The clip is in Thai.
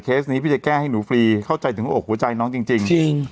นี้พี่จะแก้ให้หนูฟรีเข้าใจถึงหัวอกหัวใจน้องจริงจริง